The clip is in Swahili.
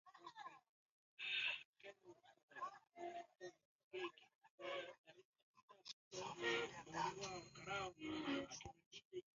Kwa sasa anashika nafasi ya sita